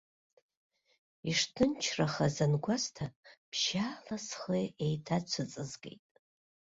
Ишҭынчрахаз ангәасҭа, ԥшьаала схы еиҭаацәыҵызгеит.